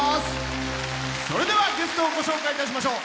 それでは、ゲストをご紹介いたしましょう。